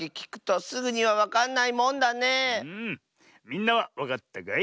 みんなはわかったかい？